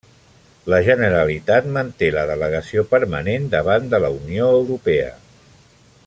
La Generalitat manté la delegació permanent davant de la Unió Europea.